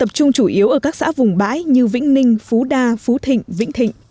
tập trung chủ yếu ở các xã vùng bãi như vĩnh ninh phú đa phú thịnh vĩnh thịnh